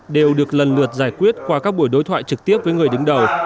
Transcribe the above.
đều được lần lượt giải quyết qua các buổi đối thoại trực tiếp với người đứng đầu